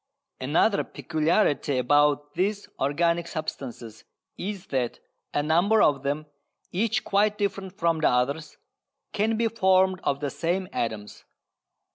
Another peculiarity about these organic substances is that a number of them, each quite different from the others, can be formed of the same atoms.